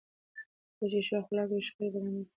کله چې ښو اخلاق وي، شخړې به رامنځته نه شي.